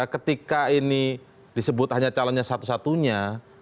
ketika ini disebut hanya calonnya satu satunya